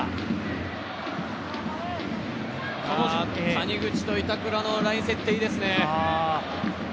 谷口と板倉のライン設定、いいですね。